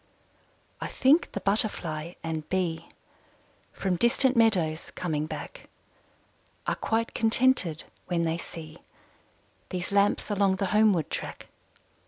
I think the Butterfly and Bee, From distant meadows coming back, Are quite contented when they see These lamps along the homeward track.